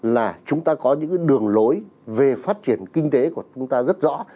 là chúng ta có những đường lối về phát triển kinh tế của chúng ta rất rõ